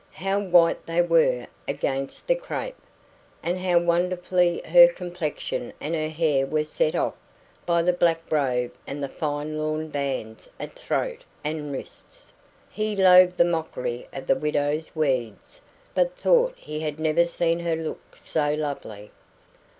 How white they were against the crape! And how wonderfully her complexion and her hair were set off by the black robe and the fine lawn bands at throat and wrists! He loathed the mockery of the widow's weeds, but thought he had never seen her look so lovely.